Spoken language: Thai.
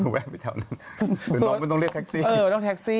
หรือมึงก็ต้องเรียกแท็กซี่